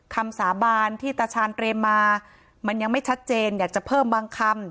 สาบานที่ตาชาญเตรียมมามันยังไม่ชัดเจนอยากจะเพิ่มบางคำ